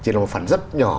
chỉ là một phần rất nhỏ